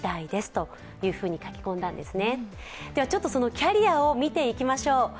キャリアを見ていきましょう。